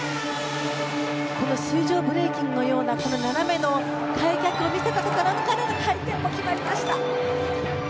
水上ブレイキンのような斜めの開脚を見せたところから回転も決まりました。